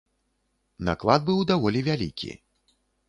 Наклад быў даволі вялікі.